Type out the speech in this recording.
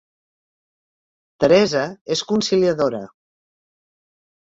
Teresa és conciliadora